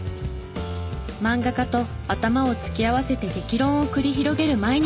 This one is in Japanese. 漫画家と頭を突き合わせて激論を繰り広げる毎日。